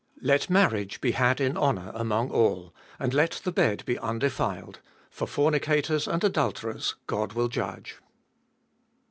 4. Let marriage be had In honour among all, and let the bed be undeflled : for fornicators and adulterers God will judge.